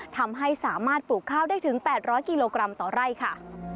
ทำให้สามารถปลูกข้าวได้ถึง๘๐๐กิโลกรัมต่อไร่ค่ะ